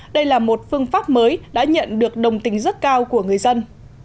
đây là một phương pháp mới đã nhận được đồng tình rất cao của người dân